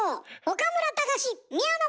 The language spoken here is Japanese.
岡村隆史宮野